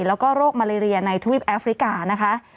แล้วก็โรคมาเลเรียในทวีปแอฟริกานะคะ